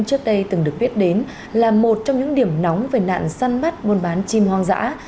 trước đây từng được biết đến là một trong những điểm nóng về nạn săn bắt buôn bán chim hoang dã